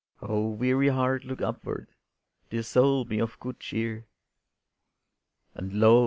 Oh, weary heart, look upward, Dear soul, be of good cheer." And lo!